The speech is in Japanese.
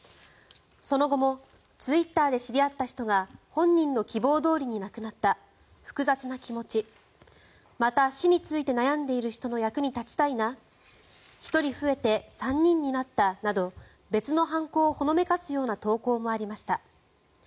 その後もツイッターで知り合った人が本人の希望どおりに亡くなった複雑な気持ちまた死について悩んでいる人の役に立ちたいな１人増えて３人になったなど別の犯行をほのめかすような投稿もありました。